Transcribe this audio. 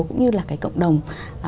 cũng như là cái cộng đồng